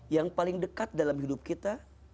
yang paling dekat dalam hidup kita